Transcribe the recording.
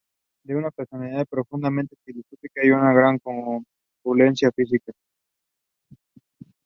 The potential for tactical voting also came in for question.